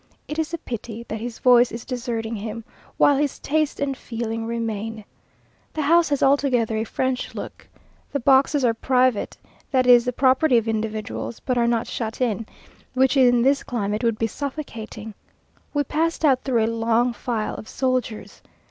It is a pity that his voice is deserting him, while his taste and feeling remain. The house has altogether a French look. The boxes are private that is, the property of individuals, but are not shut in, which in this climate would be suffocating. We passed out through a long file of soldiers.